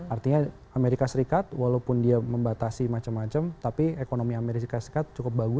artinya amerika serikat walaupun dia membatasi macam macam tapi ekonomi amerika serikat cukup bagus